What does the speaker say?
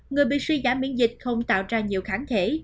người bị suy giảm miễn dịch không tạo ra nhiều kháng thể